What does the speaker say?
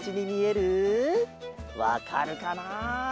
わかるかな？